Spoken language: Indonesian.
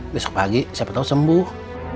besok pagi siapa tahu sembuh